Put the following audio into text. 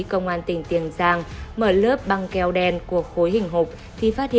công an tỉnh tiền giang mở lớp băng keo đen của khối hình hộp